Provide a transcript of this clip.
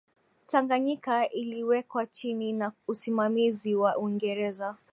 tanganyika iliwekwa chini ya usimamizi wa uingereza